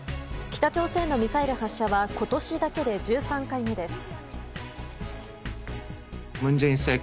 北朝鮮のミサイル発射は今年だけで１３回目です。